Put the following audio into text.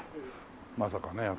まさかね。